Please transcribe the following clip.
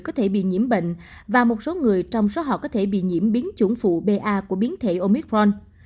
có thể bị nhiễm bệnh và một số người trong số họ có thể bị nhiễm biến chủng phụ ba của biến thể omicron